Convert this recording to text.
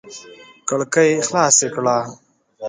کړکۍ خلاصې کړه!